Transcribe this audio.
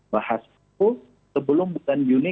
bahas itu sebelum bukan juni